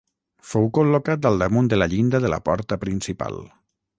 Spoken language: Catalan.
Fou col·locat al damunt de la llinda de la porta principal.